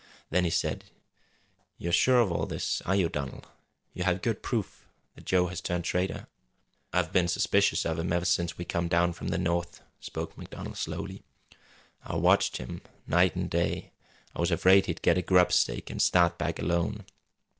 Then he said: "You're sure of all this, are you, Donald? You have good proof that Joe has turned traitor?" "I've been suspicious of him ever since we come down from the North," spoke MacDonald slowly. "I watched him night an' day. I was afraid he'd get a grubstake an' start back alone.